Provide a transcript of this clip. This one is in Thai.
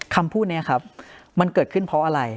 คำพูดนี้ครับมันเกิดขึ้นเพราะอะไร